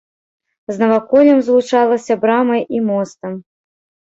З наваколлем злучалася брамай і мостам.